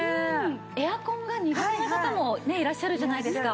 エアコンが苦手な方もいらっしゃるじゃないですか。